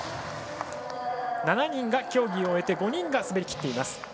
７人が競技を終えて５人が滑りきっています。